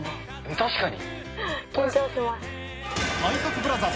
確かに。